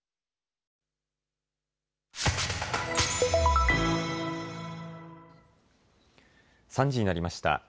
３時になりました。